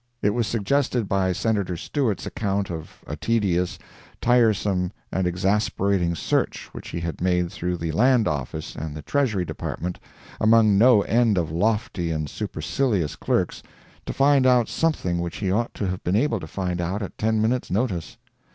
It was suggested by Senator Stewart's account of a tedious, tiresome, and exasperating search which he had made through the Land Office and the Treasury Department, among no end of lofty and supercilious clerks, to find out something which he ought to have been able to find out at ten minutes' notice.